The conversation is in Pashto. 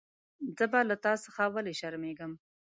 زه به له تا څخه ویلي شرمېږم.